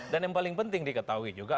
dan yang paling penting diketahui juga